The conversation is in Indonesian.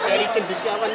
kalau dicalonkan gimana pak